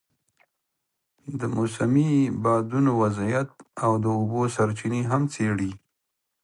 د موسمي بادونو وضعیت او د اوبو سرچینې هم څېړي.